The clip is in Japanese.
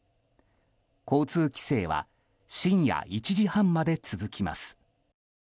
交通規制は深夜１時半まで続きます。